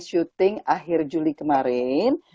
syuting akhir juli kemarin